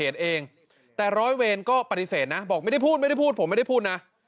แต่ร้อยเวรก็ปฏิเสธนะบอกไม่ได้พูดไม่ได้พูดผมไม่ได้พูดนะ